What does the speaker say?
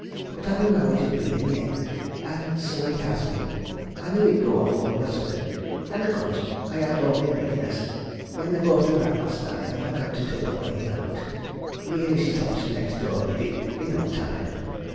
But I knew how it 'ud be in the end and so it has been I knew he'd go off all of a sudden. And of course I had all in readiness when they brought him back last night there was naught to do but lay him out. Me and Mrs. Thompson next door, did it, i' no time.